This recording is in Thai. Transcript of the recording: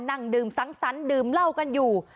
นั่งดื่มสังสรรค์ดื่มเหล้ากันอยู่